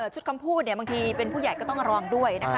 คำพูดบางทีเป็นผู้ใหญ่ก็ต้องระวังด้วยนะคะ